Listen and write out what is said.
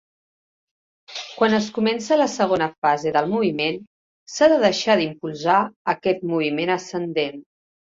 Quan es comença la segona fase del moviment, s'ha de deixar d'impulsar aquest moviment ascendent.